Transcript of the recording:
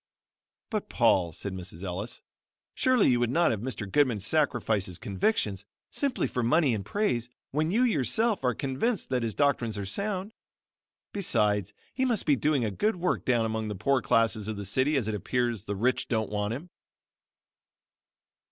"But Paul," said Mrs. Ellis, "Surely you would not have Mr. Goodman sacrifice his convictions simply for money and praise, when you yourself, are convinced that his doctrines are sound? Besides he must be doing a good work down among the poor classes of the city as it appears the rich don't want him."